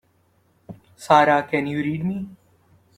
Sara can you read me?